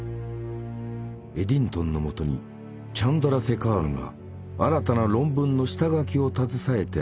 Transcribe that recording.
エディントンのもとにチャンドラセカールが新たな論文の下書きを携えて現れた。